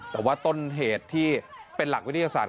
แต่ว่าต้นเหตุที่เป็นหลักวิทยาศาสต